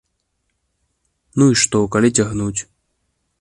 Ну і што, калі цягнуць?